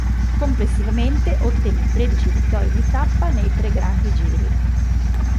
Complessivamente ottenne tredici vittorie di tappa nei tre Grandi giri.